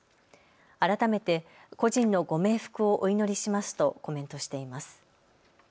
改めて故人のご冥福をお祈りしますとコメントしています。